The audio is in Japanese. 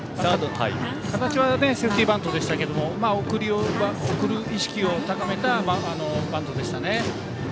形はセーフティーバントでしたが送る意識を高めたバントでしたね。